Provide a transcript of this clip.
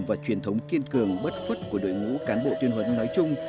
và truyền thống kiên cường bất khuất của đội ngũ cán bộ tuyên huấn nói chung